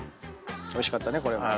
おいしかったねこれも。